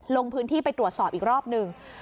ลงพื้นที่ไปตรวจสอบอีกรอบหนึ่ง